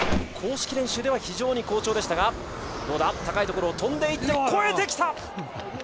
公式練習では非常に好調でしたが、高いところを飛んでいって越えてきた！